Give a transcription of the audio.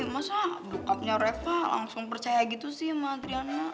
masa dukapnya reva langsung percaya gitu sih sama adriana